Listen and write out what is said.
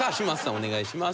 お願いします。